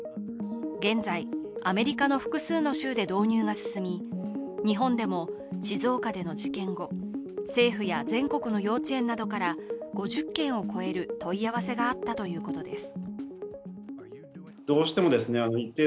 現在、アメリカの複数の州で導入が進み日本でも静岡での事件後、政府や全国の幼稚園などから５０件を超える問い合わせがあったということです。